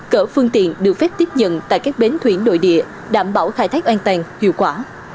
cỡ phương tiện được phép tiếp nhận tại các bến thủy nội địa đảm bảo khai thác an toàn hiệu quả